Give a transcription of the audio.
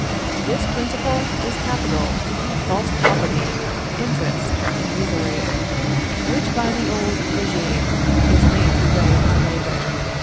This principle is capital, false property, interest, and usury, which by the old regime, is made to weigh upon labor.